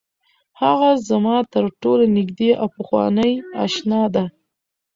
هغه زما تر ټولو نږدې او پخوانۍ اشنا ده.